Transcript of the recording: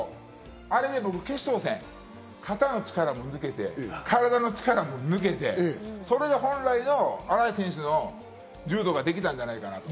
あれで僕、決勝戦、肩の力も抜けて、体の力も抜けて、それで本来の新井選手の柔道ができたんじゃないかと。